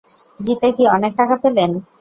জিতে কি অনেক টাকা পেলেন?